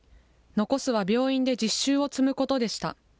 残すは病院で実習を積むことでした。